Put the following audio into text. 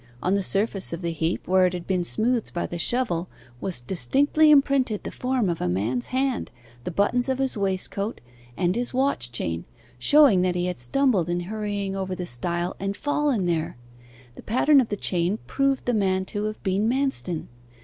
On the surface of the heap, where it had been smoothed by the shovel, was distinctly imprinted the form of a man's hand, the buttons of his waistcoat, and his watch chain, showing that he had stumbled in hurrying over the stile, and fallen there. The pattern of the chain proved the man to have been Manston.